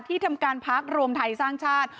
ทำการพักรวมไทยสร้างชาติ